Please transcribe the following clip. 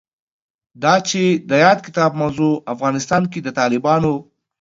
دا چې د یاد کتاب موضوع افغانستان کې د طالبانو